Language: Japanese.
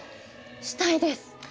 したいです。